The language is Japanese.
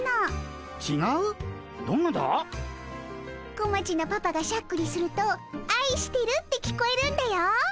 こまちのパパがしゃっくりすると「あいしてる」って聞こえるんだよ。